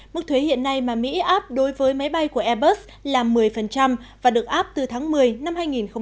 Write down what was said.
mức thuế hiện nay mà mỹ áp đối với máy bay của airbus là một mươi và được áp từ tháng một mươi năm hai nghìn một mươi bảy